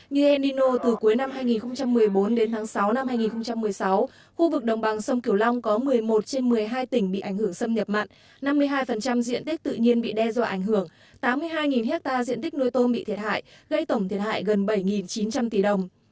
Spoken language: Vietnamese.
như henino từ cuối năm hai nghìn một mươi bốn đến tháng sáu năm hai nghìn một mươi sáu khu vực đồng bằng sông cửu long có một mươi một trên một mươi hai tỉnh bị ảnh hưởng xâm nhập mặn năm mươi hai diện tích tự nhiên bị đe dọa ảnh hưởng tám mươi hai ha diện tích nuôi tôm bị thiệt hại gây tổng thiệt hại gần bảy chín trăm linh tỷ đồng